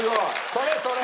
それそれ！